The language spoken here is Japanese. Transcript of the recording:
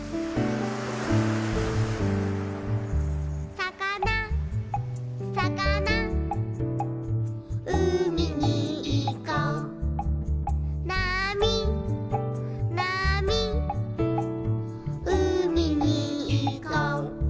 「さかなさかな」「うみにいこう」「なみなみ」「うみにいこう」